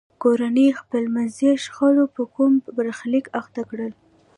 کورنیو خپلمنځي شخړو په کوم برخلیک اخته کړل.